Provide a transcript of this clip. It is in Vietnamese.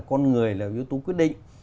con người là yếu tố quyết định